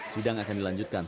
sidang akan dilanjutkan